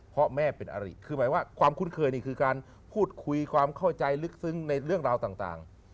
เพราะแม่เป็นอริคือหมายว่าความคุ้นเคยนี่คือการพูดคุยความเข้าใจลึกซึ้งในเรื่องราวต่าง